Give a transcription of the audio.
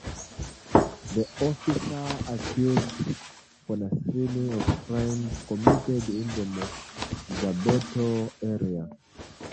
The officer accused Fornasini of crimes committed in the Marzabotto area.